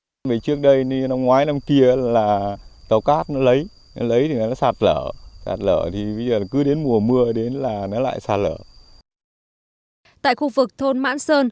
tại khu vực thôn mãn sơn bờ sông sạt lở đã bị sạt lở